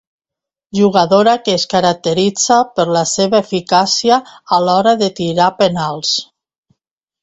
Jugadora que es caracteritza per la seva eficàcia a l'hora de tirar penals.